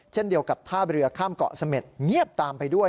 เช่นเดียวกับท่าเรือข้ามเกาะเสม็ดเงียบตามไปด้วย